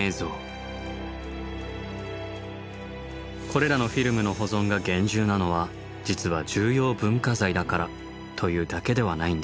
これらのフィルムの保存が厳重なのは実は重要文化財だからというだけではないんです。